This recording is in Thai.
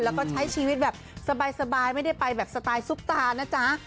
แล้วก็ใช้ชีวิตแบบสบายไม่ได้ไปแบบสไตล์ซุปตานะจ๊ะ